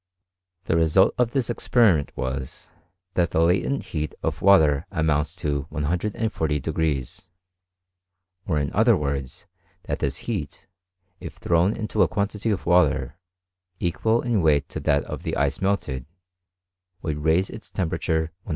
The re sult of this experiment was, that the latent heat of water amounts to 140; or, in other words, that this heat, if thrown into a quantity of water, equal in weight to that of the ice melted, would raise its tem |)erature 140o.